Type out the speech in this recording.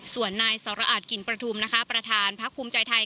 ส่วนนายสรอาจกินประทุมนะคะประธานพักภูมิใจไทย